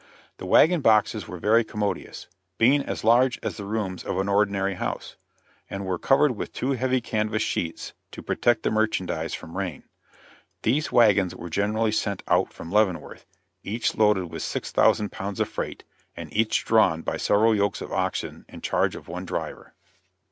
The wagon boxes were very commodious being as large as the rooms of an ordinary house and were covered with two heavy canvas sheets to protect the merchandise from the rain. These wagons were generally sent out from Leavenworth, each loaded with six thousand pounds of freight, and each drawn by several yokes of oxen in charge of one driver.